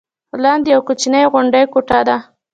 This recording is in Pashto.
لاندې یوه کوچنۍ غوندې کوټه ده.